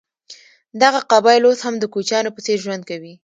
دغه قبایل اوس هم د کوچیانو په څېر ژوند کوي.